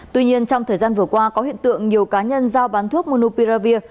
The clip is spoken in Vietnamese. tuy nhiên trong thời gian vừa qua có hiện tượng nhiều cá nhân giao bán thuốc munupiravir